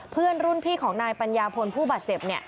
เพื่อนรุ่นพี่ของนายปัญญาพลผู้บาดเจ็บ